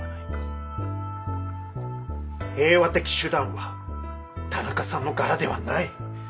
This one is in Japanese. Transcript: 平和的手段は田中さんの柄ではない。